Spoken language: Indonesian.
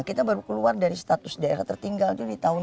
kita baru keluar dari status daerah tertinggal di tahun dua ribu dua belas